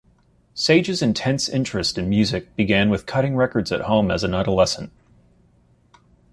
Sage's intense interest in music began with cutting records at home as an adolescent.